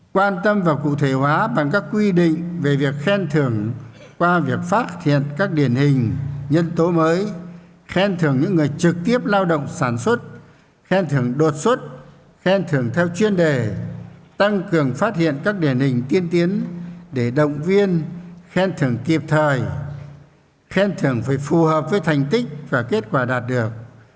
quan tâm và cụ thể hóa bằng các quy định về việc khen thường qua việc phát hiện các điển hình nhân tố mới khen thường những người trực tiếp lao động sản xuất khen thường đột xuất khen thường theo chuyên đề tăng cường phát hiện các điển hình tiên tiến để động viên khen thường kịp thời khen thường phải phù hợp với thành tích và kết quả đạt được